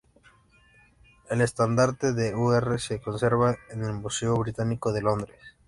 El Estandarte de Ur se conserva en el Museo Británico de Londres.